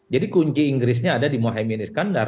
jadi kunci inggrisnya ada di mohemie niskandar